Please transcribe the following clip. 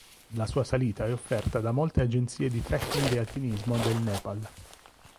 La sua salita è offerta da molte agenzie di trekking e alpinismo del Nepal.